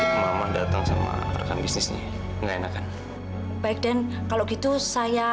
pengalaman datang sama rekan bisnisnya enggak enakan baik dan kalau gitu saya